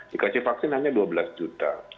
dikasih vaksin hanya dua belas juta